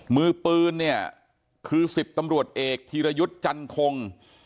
มือปืนเนี่ยคือ๑๐ตำรวจเอกธีรยุทธ์จันคง